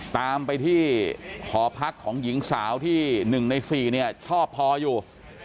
ตามไปที่หอพักของหญิงสาวที่๑ใน๔เนี่ยชอบพออยู่